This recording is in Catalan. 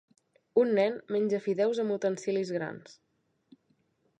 Un nen menja fideus amb utensilis grans.